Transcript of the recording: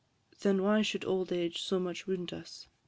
Then why should old age so much wound us?